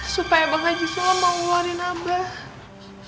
supaya bang haji sulang mau ngeluarin abang